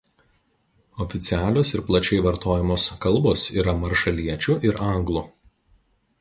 Oficialios ir plačiai vartojamos kalbos yra maršaliečių ir anglų.